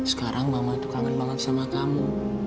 sekarang mama itu kangen banget sama kamu